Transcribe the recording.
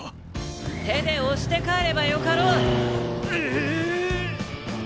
手で押して帰ればよかろう！え！？